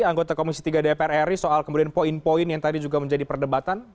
anggota komisi tiga dpr ri soal kemudian poin poin yang tadi juga menjadi perdebatan